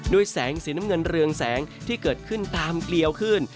แสงสีน้ำเงินเรืองแสงที่เกิดขึ้นตามเกลียวขึ้น